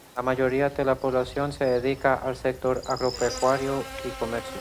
La mayoría de la población se dedica al sector agropecuario y comercio.